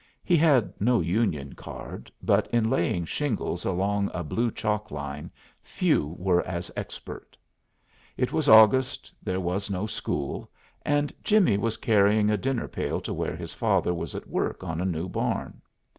He had no union card, but, in laying shingles along a blue chalk line, few were as expert. It was August, there was no school, and Jimmie was carrying a dinner pail to where his father was at work on a new barn.